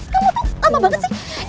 kamu apa banget sih